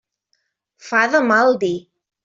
Fa de mal dir.